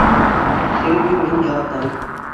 Сөнки мин яратам!